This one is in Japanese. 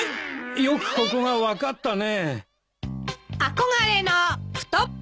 よくここが分かったね。